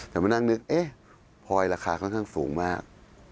จะมานั่งนึกพอยราคาค่อนข้างสูงมาก